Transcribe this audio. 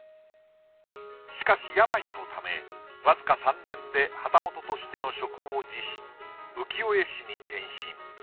しかし病のためわずか３年で旗本としての職を辞し浮世絵師に転身。